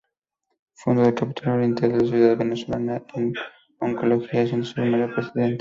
Fundó el Capítulo Oriente de la Sociedad Venezolana de Oncología, siendo su primera presidenta.